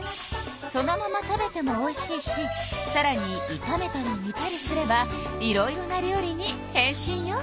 そのまま食べてもおいしいしさらにいためたりにたりすればいろいろな料理に変身よ。